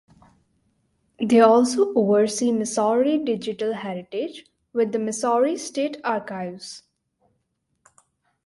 They also oversee Missouri Digital Heritage with the Missouri State Archives.